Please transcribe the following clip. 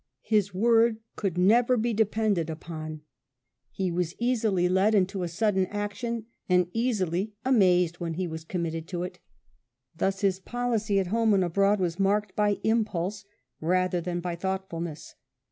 His word could never be depended upon. He was easily led THE POLICY OF "THOROUGH , 21 into a sudden action, and easily " amazed " when he was committed to it. Thus his policy at home and abroad was marked by impulse rather than by thoughtfulness.